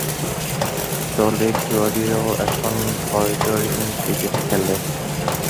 'দলের জুনিয়ররাও এখন ভয়ডরহীন ক্রিকেট খেলে'